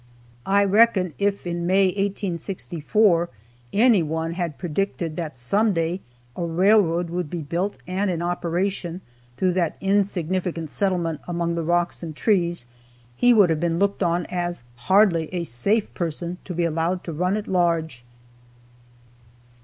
I reckon if in May, 1864, any one had predicted that some day a railroad would be built and in operation through that insignificant settlement among the rocks and trees, he would have been looked on as hardly a safe person to be allowed to run at large.